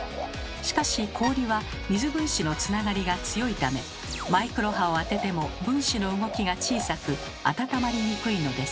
しかし氷は水分子のつながりが強いためマイクロ波を当てても分子の動きが小さく温まりにくいのです。